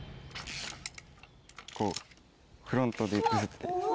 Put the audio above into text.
こうフロントでグって。